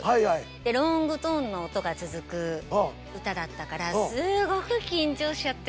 でロングトーンの音が続く歌だったからすごく緊張しちゃって。